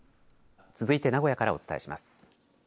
続いて名古屋からお伝えします。